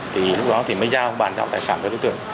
thì lúc đó thì mới giao bàn giao tài sản cho đối tượng